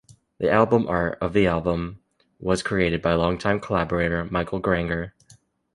The album art of the album was created by long-time collaborator Michel Granger.